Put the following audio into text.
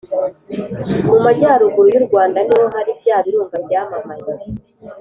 mu majyaruguru y'u rwanda ni ho hari bya birunga byamamaye